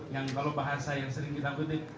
yang kalau bahasa yang sering kita kutip